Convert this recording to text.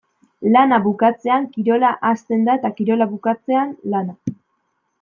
Lana bukatzean kirola hasten da eta kirola bukatzean lana.